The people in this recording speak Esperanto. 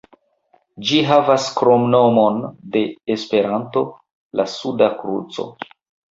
Ĝi havas kromnomon de Esperanto, "La Suda Kruco".